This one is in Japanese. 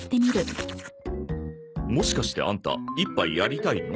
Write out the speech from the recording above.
もしかしてアンタ一杯やりたいの？